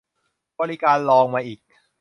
บริการรองมาอีก